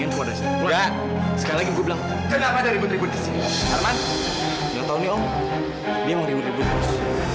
harman jangan tau nih om dia emang ribut ribut bos